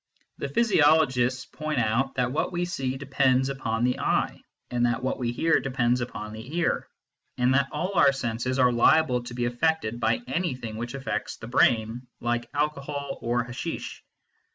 The physiologists point out that what we see depends upon the eye, that what we hear depends upon the ear, and that all our senses are liable to be affected by anything which affects the brain, like alcohol or hasheesh.